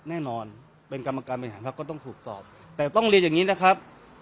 แน่นอนเป็นกรรมการบริหารพักก็ต้องถูกสอบแต่ต้องเรียนอย่างนี้นะครับ